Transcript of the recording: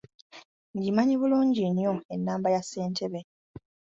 Ngimanyi bulungi nnyo ennamba ya ssentebe.